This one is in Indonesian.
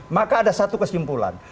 maka ada satu kesimpulan